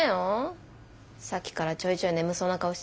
さっきからちょいちょい眠そうな顔してるよ。